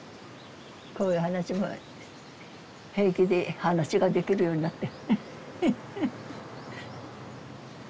こういう話も平気で話ができるようになって。